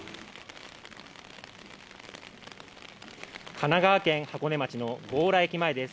神奈川県箱根町の強羅駅前です。